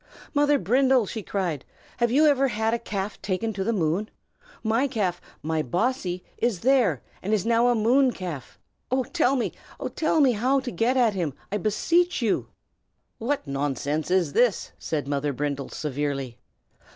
"Mother Brindle!" she cried. "Have you ever had a calf taken to the moon? My calf, my Bossy, is there, and is now a moon calf. Tell me, oh! tell me, how to get at him, I beseech you!" "What nonsense is this?" said Mother Brindle, severely.